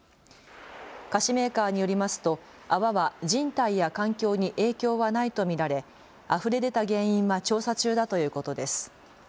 菓子メーカーによりますと泡は人体や環境に影響はないと見られ、あふれ出た原因は調査中だということです。